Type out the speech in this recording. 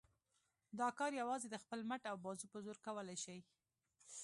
دا کار یوازې د خپل مټ او بازو په زور کولای شي.